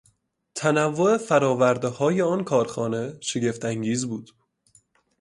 تنوع فرآوردههای آن کارخانه شگفت انگیز بود.